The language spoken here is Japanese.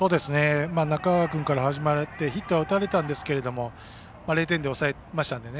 中川君から始まってヒットは打たれたんですけども０点で抑えましたんでね